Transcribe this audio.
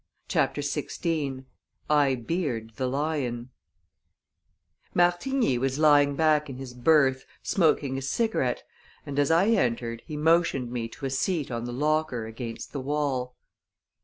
CHAPTER XVI I Beard the Lion Martigny was lying back in his berth, smoking a cigarette, and, as I entered, he motioned me to a seat on the locker against the wall.